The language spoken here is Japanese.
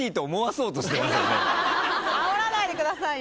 あおらないでくださいよ。